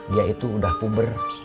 dia itu udah puber